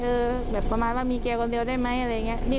แบบประมาณว่ามีแกคนเดียวได้ไหมอะไรอย่างนี้